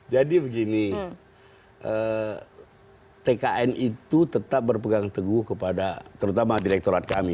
jadi begini tkn itu tetap berpegang teguh kepada terutama direkturat kami